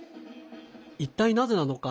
一体なぜなのか